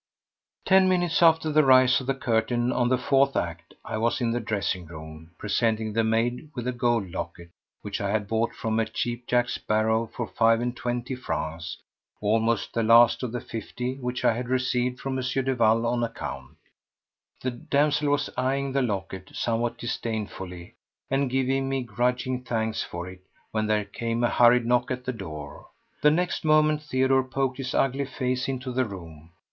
Ten minutes after the rise of the curtain on the fourth act I was in the dressing room, presenting the maid with a gold locket which I had bought from a cheapjack's barrow for five and twenty francs—almost the last of the fifty which I had received from M. Duval on account. The damsel was eyeing the locket somewhat disdainfully and giving me grudging thanks for it when there came a hurried knock at the door. The next moment Theodore poked his ugly face into the room.